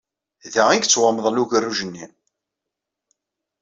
Da i yettwamḍel ugerruj-nni.